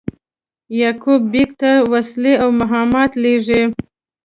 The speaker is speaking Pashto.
یعقوب بېګ ته وسلې او مهمات لېږي.